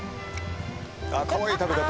あっかわいい食べ方。